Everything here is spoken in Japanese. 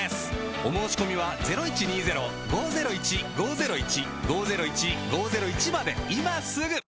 お申込みは今すぐ！